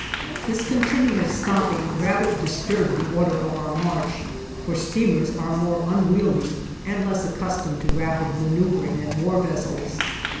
This continual stopping rather disturbed the order of our march, for steamers are more unwieldy and less accustomed to rapid maneuvering than war vessels.